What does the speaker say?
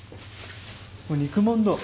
肉まんだ。